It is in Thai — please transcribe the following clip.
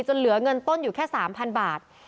เหลือเงินต้นอยู่แค่๓๐๐บาท